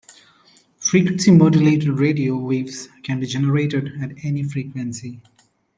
Frequency-modulated radio waves can be generated at any frequency.